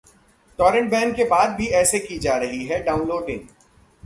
Torrent ban के बाद भी ऐसे की जा रही हैं डाउनलोडिंग